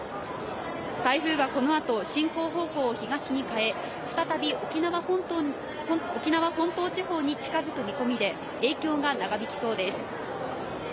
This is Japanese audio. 台風はこのあと、進行方向を東に変え再び沖縄本島地方に近づく見込みで影響が長引きそうです。